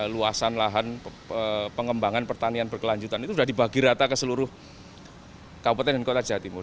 luasan lahan pengembangan pertanian berkelanjutan itu sudah dibagi rata ke seluruh kabupaten dan kota jawa timur